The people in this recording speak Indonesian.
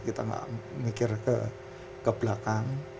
kita nggak mikir ke belakang